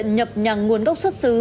nhưng mà lại